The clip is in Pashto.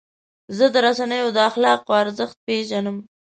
زه د رسنیو د اخلاقو ارزښت پیژنم.